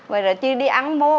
vậy là chứ đi ăn bồ